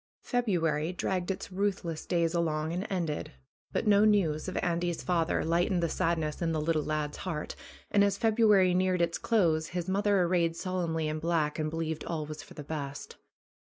February dragged its ruthless days along and ended. But no news of Andy's father lightened the sadness in the little lad's heart, and as February neared its close his mother arrayed solemnly in black and believed all was for the best.